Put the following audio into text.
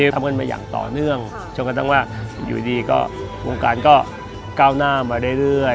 ทำกันมาอย่างต่อเนื่องจนกระทั่งว่าอยู่ดีก็วงการก็ก้าวหน้ามาเรื่อย